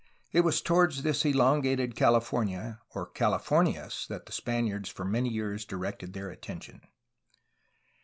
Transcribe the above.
It was toward this elongated California, or ''Calif ornias," that the Spaniards for many years directed their attention.